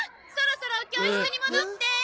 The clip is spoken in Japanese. そろそろお教室に戻って。